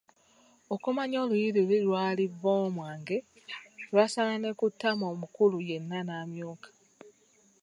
Okumanya oluyi luli lwali'vvoomwange', lwasala ne ku ttama omukulu yenna n’amyuka.